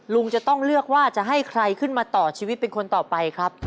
ลุงจะต้องเลือกว่าจะให้ใครขึ้นมาต่อชีวิตเป็นคนต่อไปครับ